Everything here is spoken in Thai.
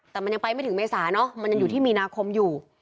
แต่มันยังไปไม่ถึงเมษาเนอะมันยังอยู่ที่มีนาคมอยู่